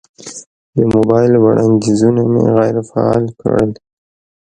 د موبایل وړاندیزونه مې غیر فعال کړل.